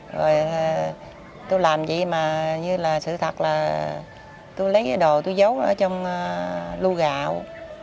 rồi tôi làm vậy mà như là sự thật là tôi lấy cái đồ tôi giấu ở trong lô gạo